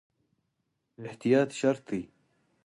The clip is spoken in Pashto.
احتیاط شرط دی